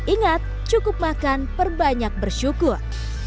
ingat cukup makan perbanyak bersyukur